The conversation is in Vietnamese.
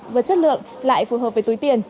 vừa chất lượng lại phù hợp với túi tiền